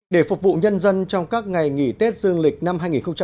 để phục vụ nhân dân trong các ngày nghỉ tết dương lịch năm hai nghìn một mươi chín